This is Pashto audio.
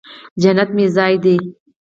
جنت مې ځای دې